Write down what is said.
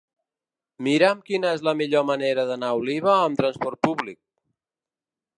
Mira'm quina és la millor manera d'anar a Oliva amb transport públic.